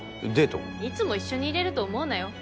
いつも一緒にいれると思うなよ？